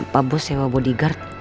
pak bos sewa bodyguard